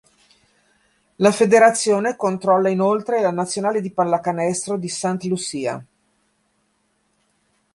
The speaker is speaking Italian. La federazione controlla inoltre la nazionale di pallacanestro di Saint Lucia.